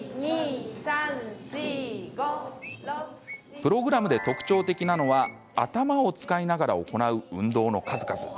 プログラムで特徴的なのは頭を使いながら行う運動の数々。